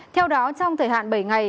theo đó trong thời hạn bảy ngày